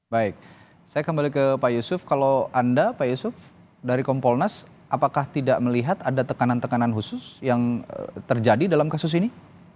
baik saya kembali ke pak yusuf kalau anda pak yusuf dari kompolnas apakah tidak melihat ada tekanan tekanan khusus yang terjadi dalam kasus ini